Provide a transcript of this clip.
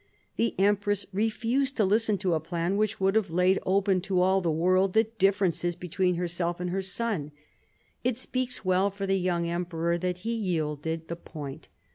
The empress refused to listen to a plan which would have laid open to all the world the differences between herself and her son. It speaks well for the young emperor that he yielded the point.